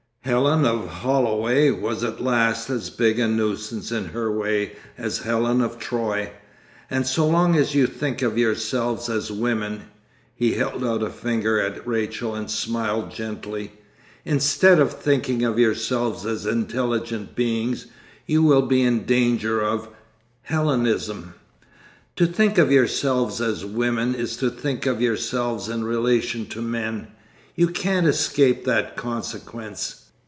Helen of Holloway was at last as big a nuisance in her way as Helen of Troy, and so long as you think of yourselves as women'—he held out a finger at Rachel and smiled gently—'instead of thinking of yourselves as intelligent beings, you will be in danger of—Helenism. To think of yourselves as women is to think of yourselves in relation to men. You can't escape that consequence.